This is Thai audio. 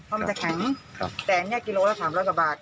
เพราะมันจะแข็งแต่อันนี้กิโลละ๓๐๐กว่าบาท